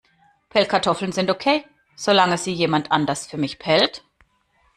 Pellkartoffeln sind okay, solange sie jemand anders für mich pellt.